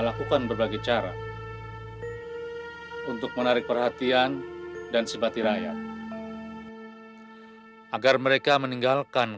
aku sudah menyebabkan allah